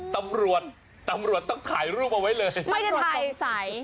ตำรวจต้องถ่ายรูปเอาไว้เลย